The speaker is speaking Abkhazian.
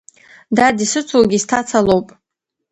Дад, исыцугьы сҭаца лоуп…